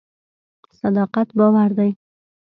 صداقت باور دی.